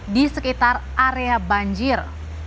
di sekitar area banjir